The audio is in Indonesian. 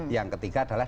yang ketiga adalah